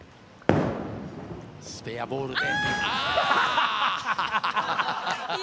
スペアボールであ。